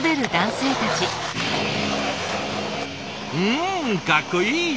んかっこいい！